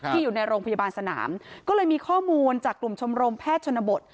อยู่ในโรงพยาบาลสนามก็เลยมีข้อมูลจากกลุ่มชมรมแพทย์ชนบท